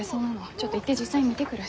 ちょっと行って実際見てくる。